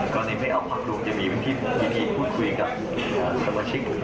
กรณีไม่เอาภักด์ลุงจะมีวิธีพูดคุยกับสมาชิก